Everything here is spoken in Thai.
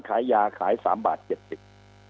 ขายยาขายสามบาทเจ็ดสิบ